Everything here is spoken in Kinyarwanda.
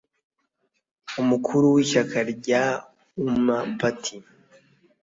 umukuru w’ishyaka rya Umma Patry